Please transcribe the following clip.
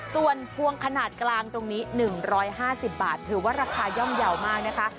ส่วนพวงขนาดกลางตรงนี้๑๕๐บาทถือว่าราคาย่อมเยาว์มากนะคะ